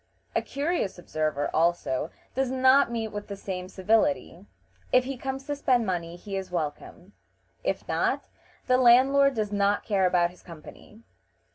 A curious observer, also, does not meet with the same civility: if he comes to spend money he is welcome; if not, the landlord does not care about his company.